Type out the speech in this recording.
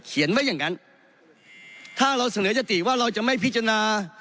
ไว้อย่างนั้นถ้าเราเสนอยติว่าเราจะไม่พิจารณา